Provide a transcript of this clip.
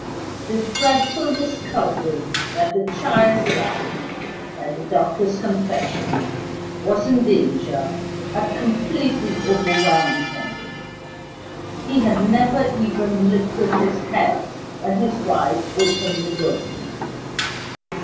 The dreadful discovery that the child's life (by the doctor's confession) was in danger had completely overwhelmed him: he had never even lifted his head when his wife opened the door.